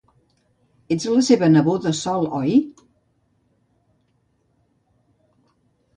Ets la seva neboda Sol, oi?